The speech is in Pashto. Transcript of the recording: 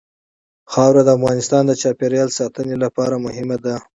خاوره د افغانستان د چاپیریال ساتنې لپاره مهم دي.